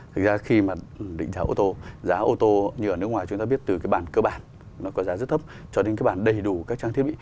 thực ra khi mà định giá ô tô giá ô tô như ở nước ngoài chúng ta biết từ cái bản cơ bản nó có giá rất thấp cho đến cái bản đầy đủ các trang thiết bị